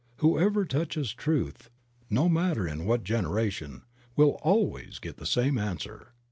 Whoever touches truth, no matter in what generation, will always get the same answer.